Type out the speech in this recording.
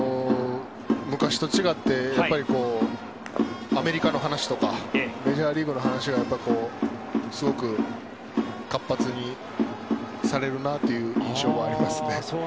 昔と違ってアメリカの話とかメジャーリーグの話がすごく活発にされるなという印象がありますね。